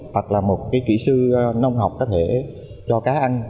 hoặc là một kỹ sư nông học có thể cho cá ăn